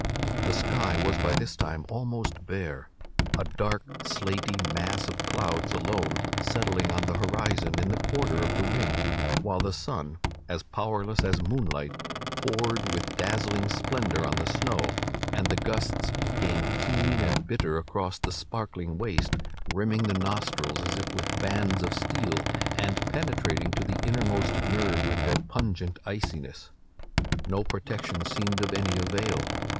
The sky was by this time almost bare, a dark slaty mass of clouds alone settling on the horizon in the quarter of the wind; while the sun, as powerless as moonlight, poured with dazzling splendour on the snow; and the gusts came keen and bitter across the sparkling waste, rimming the nostrils as if with bands of steel, and penetrating to the innermost nerve with their pungent iciness. No protection seemed of any avail.